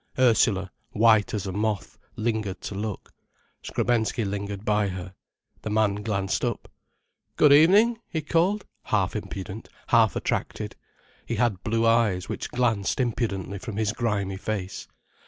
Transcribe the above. Ursula, white as a moth, lingered to look. Skrebensky lingered by her. The man glanced up. "Good evening," he called, half impudent, half attracted. He had blue eyes which glanced impudently from his grimy face.